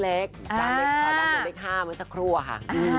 แล้วก็เล็ก๕เหมือนสักครู่ค่ะ